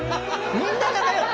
みんな仲よく。